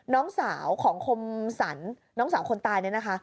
น้องสาวของคมสรรน้องสาวคนตายเนี่ยนะคะ